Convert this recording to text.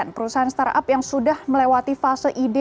perusahaan startup yang sudah melewati fase ide